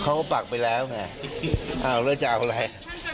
เขาไม่บุกอยู่แล้วแบบนั้นเรื่องว่าไง